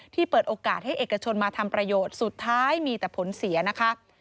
เปิดโอกาสให้เอกชนมาทำประโยชน์สุดท้ายมีแต่ผลเสียนะคะ